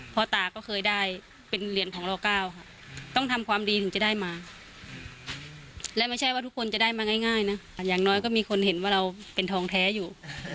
พ่อตาก็เคยได้เป็นเหรียญของล๙ค่ะต้องทำความดีถึงจะได้มาและไม่ใช่ว่าทุกคนจะได้มาง่ายนะอย่างน้อยก็มีคนเห็นว่าเราเป็นทองแท้อยู่